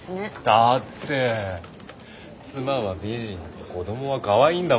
だって妻は美人で子どもはかわいいんだもん。